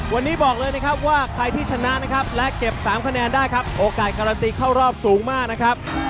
วันนี้บอกเลยว่าใครที่ชนะและเก็บ๓คะแนนได้โอกาสการันตีเข้ารอบสูงมาก